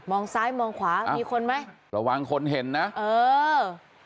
ซ้ายมองขวามีคนไหมระวังคนเห็นนะเออ